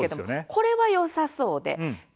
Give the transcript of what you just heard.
これはよさそうですね。